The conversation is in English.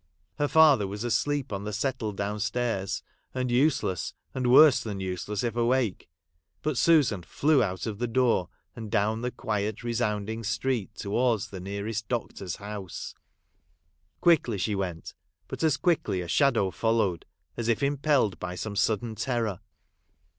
Her father was asleep on the settle down stairs ; and useless, and worse than useless if awake. But Susan flew out of the door, and down the quiet resound ing street, towards the nearest doctor's house. Quickly she went ; but as quickly a shadow followed, as if impelled by some sudden terror.